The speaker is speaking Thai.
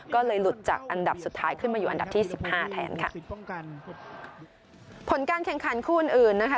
ก็เลยหลุดจากอันดับสุดท้ายขึ้นมาอยู่อันดับที่สิบห้าแทนค่ะผลการแข่งขันคู่อื่นอื่นนะคะ